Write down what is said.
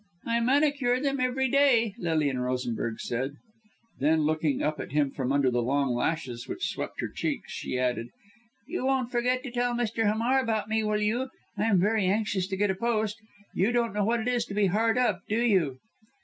"I manicure them every day," Lilian Rosenberg said; then looking up at him from under the long lashes which swept her cheeks, she added, "You won't forget to tell Mr. Hamar about me, will you? I am very anxious to get a post. You don't know what it is to be hard up, do you?"